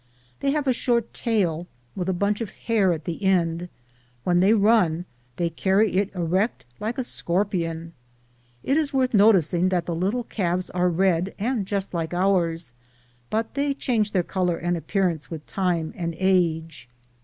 They have a short tail, with a bunch of hair at the end. When they run, they carry it erect like a scorpion. It is worth noticing that the little calves are red and just like ours, but they change their color and appear ance with time and age.